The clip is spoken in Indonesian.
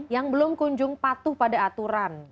yang belum kunjung patuh pada aturan